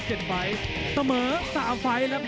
เสมอ๓ไฟล์แล้วแพ้๒๒ไฟล์ครับ